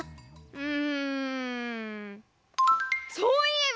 うん？